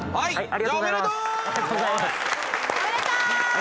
ありがとうございます。